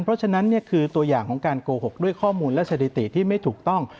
เพราะฉะนั้นคือตัวอย่างของการโกหกด้วยข้อมูลและสถิติที่ไม่ถูกต้อง